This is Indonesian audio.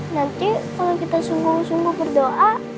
nanti kalau kita sungguh sungguh berdoa